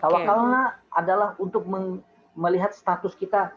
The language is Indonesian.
tawakalnya adalah untuk melihat status kita